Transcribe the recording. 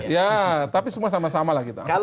ya tapi semua sama sama lah kita